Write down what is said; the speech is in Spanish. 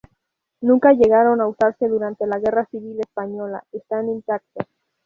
Nunca llegaron a usarse durante la Guerra civil española, están intactos.